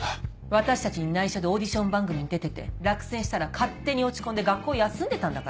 私たちに内緒でオーディション番組に出てて落選したら勝手に落ち込んで学校休んでたんだからね。